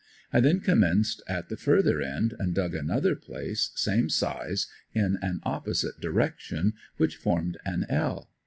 I then commenced at the further end and dug another place same size in an opposite direction, which formed an "L."